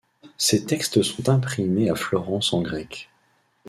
Ces textes sont imprimés à Florence en grec.